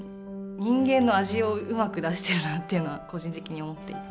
人間の味をうまく出してるなというのは個人的に思っていて。